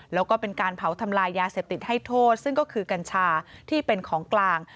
แล้วก็เป็นการเผาทำลายยาเสพติดให้โทษซึ่งก็คือกัญชาที่เป็นของกลาง